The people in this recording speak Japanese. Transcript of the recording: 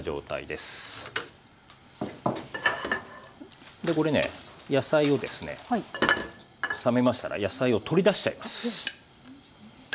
でこれね野菜をですね冷めましたら野菜を取り出しちゃいます。